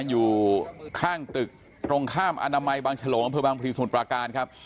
อยู่ข้างตึกตรงข้ามอนามัยบางชะโหลกับภาวบางพลีสมุดปราการครับ